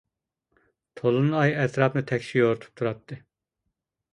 تولۇن ئاي ئەتراپنى تەكشى يورۇتۇپ تۇراتتى.